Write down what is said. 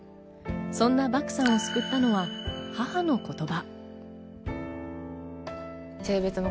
そんな漠さんを救ったのは母の言葉。